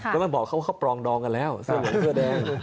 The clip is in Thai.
ก็บอกเขาว่าเขาปรองดองกันแล้วสร้างเหลือเสื้อแดง